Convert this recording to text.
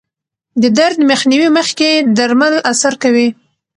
د درد مخنیوي مخکې درمل اثر کوي.